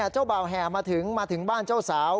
เจ้าบ่าวแห่มาถึงมาถึงบ้านเจ้าสาว